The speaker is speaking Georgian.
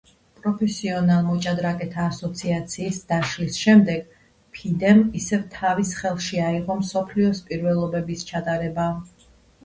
პროფესიონალ მოჭადრაკეთა ასოციაციის დაშლის შემდეგ ფიდემ ისევ თავის ხელში აიღო მსოფლიოს პირველობების ჩატარება.